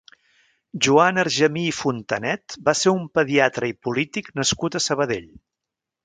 Joan Argemí i Fontanet va ser un pediatre i polític nascut a Sabadell.